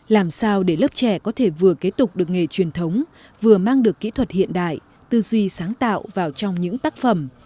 làm sao để lớp trẻ có thể vừa kế tục được nghề truyền thống vừa mang được kỹ thuật hiện đại tư duy sáng tạo vào trong những tác phẩm